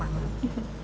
kalau kamu semangat